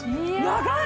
長い！